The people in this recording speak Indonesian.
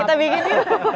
kita bikin juga